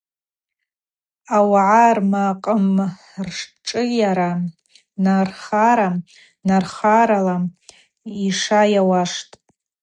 Ауагӏа рмакъымршӏыйара нархара-нархарала йша йауаштӏ.